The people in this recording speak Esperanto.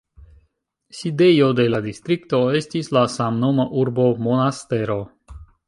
Sidejo de la distrikto estis la samnoma urbo Monastero.